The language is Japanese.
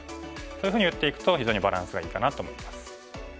そういうふうに打っていくと非常にバランスがいいかなと思います。